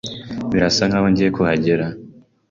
Birasa nkaho ngiye kuhagera.